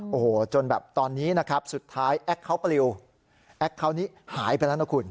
โอ้โหจนแบบตอนนี้นะครับสุดท้ายแอคเคาน์ปลิวแอคเคาน์นี้หายไปแล้วนะคุณ